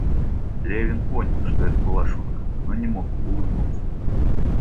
Левин понял, что это была шутка, но не мог улыбнуться.